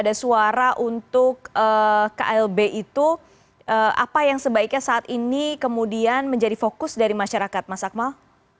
ada suara untuk klb itu apa yang sebaiknya saat ini kemudian menjadi fokus dari masyarakat mas akmal